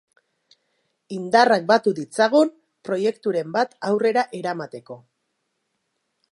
Indarrak batu ditzagun, proiekturen bat aurrera eramateko.